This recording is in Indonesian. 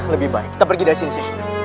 lebih baik kita pergi dari sini